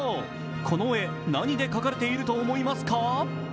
この絵、何で描かれていると思いますか？